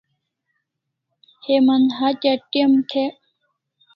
Heman hatya te'm th'ek